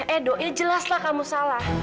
edo ya jelaslah kamu salah